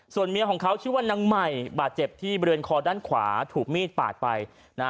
ส่วนเมียของเขาชื่อว่านางใหม่บาดเจ็บที่บริเวณคอด้านขวาถูกมีดปาดไปนะ